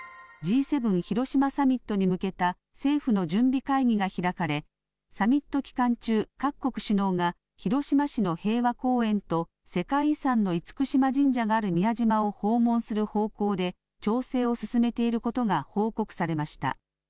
Ｇ７広島サミットに向けた、政府の準備会議が開かれ、サミット期間中、各国首脳が広島市の平和公園と、世界遺産の厳島神社がある宮島を訪問する方向で調整を進めていることが報告されました。